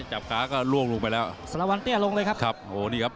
จับขาก็ล่วงลงไปแล้วสารวันเตี้ยลงเลยครับครับโหนี่ครับ